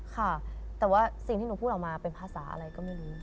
ค่ะแต่ว่าสิ่งที่หนูพูดออกมาเป็นภาษาอะไรก็ไม่รู้